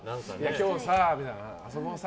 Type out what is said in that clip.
今日さみたいな。